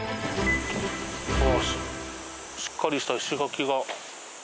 しっかりした石垣が。